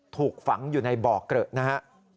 ถูกฝังอยู่ในบ่อเกลอะนะฮะ